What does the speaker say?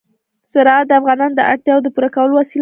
زراعت د افغانانو د اړتیاوو د پوره کولو وسیله ده.